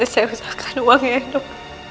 saya usahakan uangnya dok